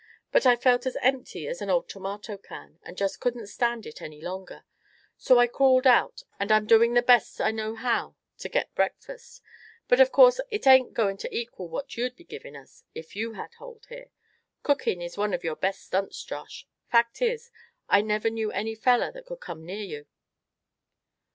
But I felt as empty as an old tomato can, and just couldn't stand it any longer; so I crawled out, and I'm doin' the best I know how to get breakfast. But of course it ain't goin' to equal what you'd be givin' us, if you had hold here. Cookin' is one of your best stunts, Josh; fact is, I never knew any feller that could come near you."